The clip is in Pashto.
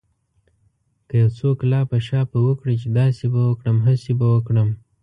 که يو څوک لاپه شاپه وکړي چې داسې به وکړم هسې به وکړم.